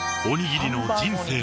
おにぎりの人生